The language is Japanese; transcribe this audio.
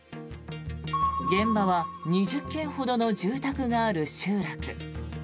現場は２０軒ほどの住宅がある集落。